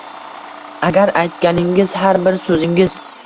Agar aytganingiz, har bir so’zingiz